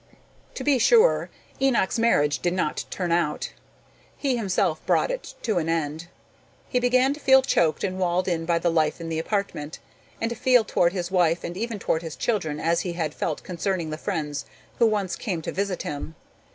To be sure, Enoch's marriage did not turn out. He himself brought it to an end. He began to feel choked and walled in by the life in the apartment, and to feel toward his wife and even toward his children as he had felt concerning the friends who once came to visit him.